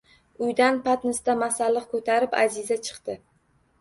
Uydan patnisda masalliq koʼtarib, Аziza chiqdi.